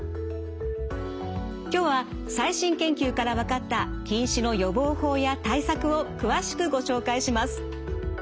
今日は最新研究から分かった近視の予防法や対策を詳しくご紹介します。